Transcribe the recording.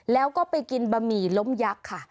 แล้วก็ไปกินบะหมี่ล้มยักษ์ค่ะ